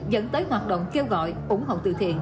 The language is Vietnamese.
dẫn tới hoạt động kêu gọi ủng hộ từ thiện